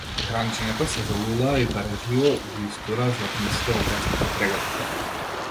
Гранчињата се залулаа и дарежливо ги истураа златниците во детската прегратка.